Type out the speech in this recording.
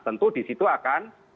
tentu di situ akan